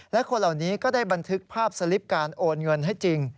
และคนเหล่านี้ก็ได้บันทึกภาพสลิปการโอนเงินให้จริง